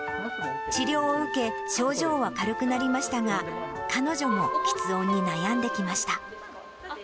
治療を受け、症状は軽くなりましたが、彼女もきつ音に悩んできました。